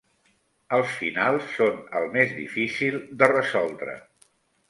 Els finals són el més difícil de resoldre.